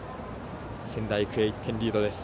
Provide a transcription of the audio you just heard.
仙台育英、１点リードです。